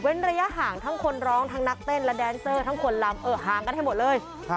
ระยะห่างทั้งคนร้องทั้งนักเต้นและแดนเซอร์ทั้งคนลำห่างกันให้หมดเลย